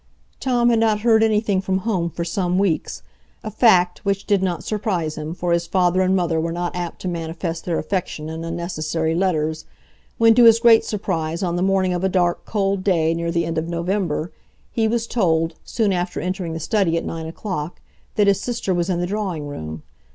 Tom had not heard anything from home for some weeks,—a fact which did not surprise him, for his father and mother were not apt to manifest their affection in unnecessary letters,—when, to his great surprise, on the morning of a dark, cold day near the end of November, he was told, soon after entering the study at nine o'clock, that his sister was in the drawing room.